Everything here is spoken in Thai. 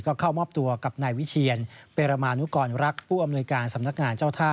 ก็เข้ามอบตัวกับนายวิเชียนเปรมานุกรรักผู้อำนวยการสำนักงานเจ้าท่า